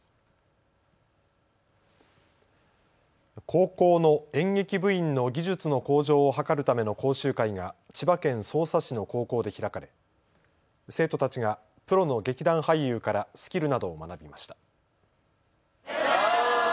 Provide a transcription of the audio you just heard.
高校の演劇部員の技術の向上を図るための講習会が千葉県匝瑳市の高校で開かれ生徒たちがプロの劇団俳優からスキルなどを学びました。